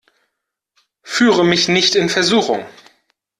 Führe mich nicht in Versuchung!